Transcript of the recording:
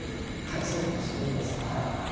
はいそうだと思います。